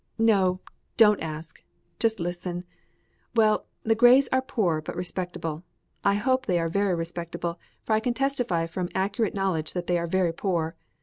"No, don't ask; just listen. Well, the Greys are poor, but respectable. I hope that they are very respectable, for I can testify from accurate knowledge that they are very poor.